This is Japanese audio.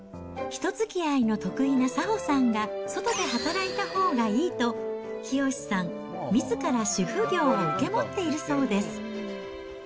人づきあいの得意な早穂さんが外で働いたほうがいいと、清さんみずから主夫業を受け持っているそうです。